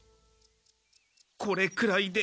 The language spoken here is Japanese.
これくらいで。